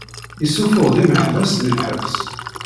Issufuɣ-d imeḥbas si lḥebs.